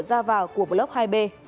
ra vào của block hai b